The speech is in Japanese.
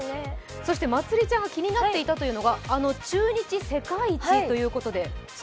まつりちゃんが気になっていたというのが中日世界一ということで。